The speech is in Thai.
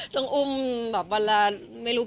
แต่น้องดีมากบอกสวยน่ารัก